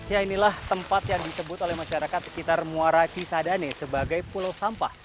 ya inilah tempat yang disebut oleh masyarakat sekitar muara cisadane sebagai pulau sampah